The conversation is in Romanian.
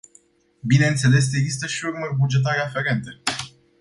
Bineînțeles, există și urmări bugetare aferente.